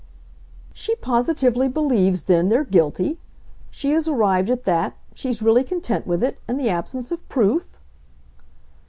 "She positively believes then they're guilty? She has arrived at that, she's really content with it, in the absence of proof?"